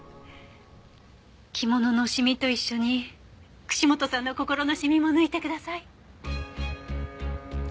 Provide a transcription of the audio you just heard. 着物のシミと一緒に串本さんの心のシミも抜いてください。